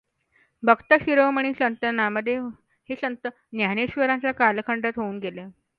भक्तशिरोमणी संत नामदेव हे संत ज्ञानेश्वरांच्या कालखंडात होऊन गेले.